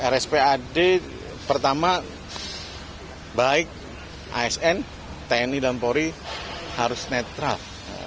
rspad pertama baik asn tni dan polri harus netral